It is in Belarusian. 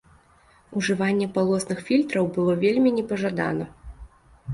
Ужыванне палосных фільтраў было вельмі непажадана.